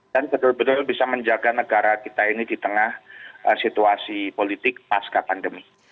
dan betul betul bisa menjaga negara kita ini di tengah situasi politik pasca pandemi